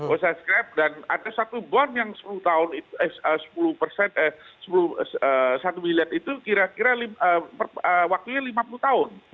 oce scrap dan ada satu bond yang sepuluh tahun itu sepuluh persen eh satu miliar itu kira kira waktunya lima puluh tahun